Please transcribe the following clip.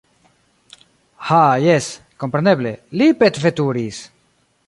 Ha jes, kompreneble, li petveturis!